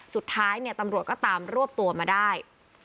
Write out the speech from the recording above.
สุดท้ายเนี่ยตำรวจก็ตามรวบตัวมาได้